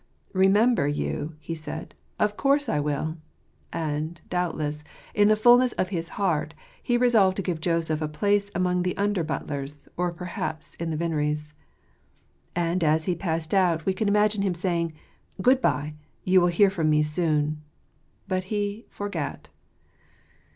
" Remember you, he said ." of course I will." And, doubtless, in the fulness of his heart, he resolved to give Joseph a place among the under butlers, or perhaps in the vineries. And as he passed out, we can imagine him saying, " Good bye : you will hear from me soon." But he "forgat."